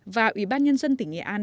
và ủy ban nhân dân tỉnh nghệ an